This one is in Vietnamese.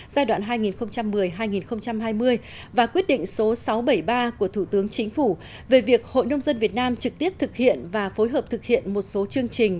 giai đoạn hai nghìn một mươi hai nghìn hai mươi và quyết định số sáu trăm bảy mươi ba của thủ tướng chính phủ về việc hội nông dân việt nam trực tiếp thực hiện và phối hợp thực hiện một số chương trình